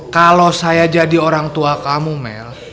kalau saya jadi orang tua kamu mel